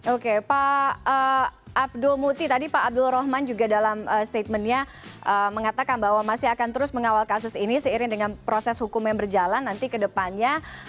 oke pak abdul muti tadi pak abdul rohman juga dalam statementnya mengatakan bahwa masih akan terus mengawal kasus ini seiring dengan proses hukum yang berjalan nanti ke depannya